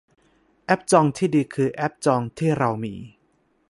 แอปจองที่ดีคือแอปจองที่เรามี